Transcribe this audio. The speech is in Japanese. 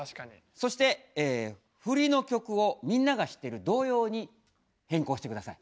そしてフリの曲をみんなが知ってる童謡に変更して下さい。